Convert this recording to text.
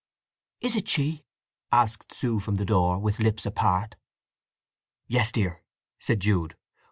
"Is it she?" asked Sue from the door, with lips apart. "Yes, dear," said Jude.